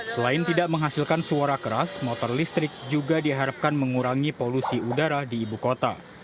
selain tidak menghasilkan suara keras motor listrik juga diharapkan mengurangi polusi udara di ibu kota